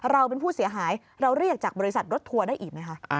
เราเป็นผู้เสียหายเราเรียกจากบริษัทรถทัวร์ได้อีกไหมคะ